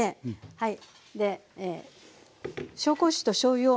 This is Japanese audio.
はい。